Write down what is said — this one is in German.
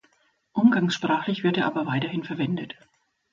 Umgangssprachlich wird er aber weiterhin verwendet.